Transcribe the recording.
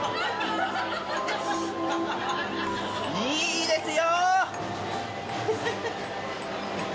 いいですよ！